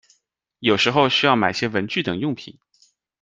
有时候需要买些文具等用品